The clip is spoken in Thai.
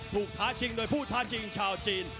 ท้าชิงโดยผู้ท้าชิงชาวจีน